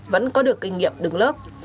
vẫn có được kinh nghiệm đứng lớp